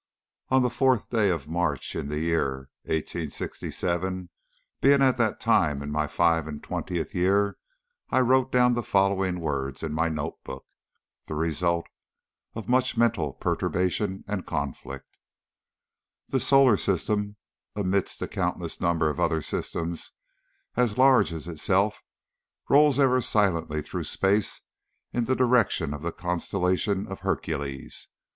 On the fourth day of March, in the year 1867, being at that time in my five and twentieth year, I wrote down the following words in my note book the result of much mental perturbation and conflict: "The solar system, amidst a countless number of other systems as large as itself, rolls ever silently through space in the direction of the constellation of Hercules.